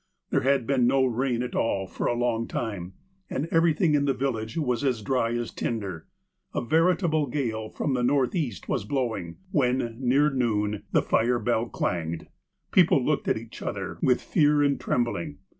There had been no rain at all for a long time, and everything in the village was as dry as tinder. A veritable gale from the northeast was blowing, when, near noon, the fire bell clanged. People looked at each other with fear and trembling.